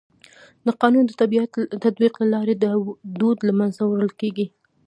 د قانون د تطبیق له لارې دا دود له منځه وړل کيږي.